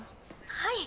はい。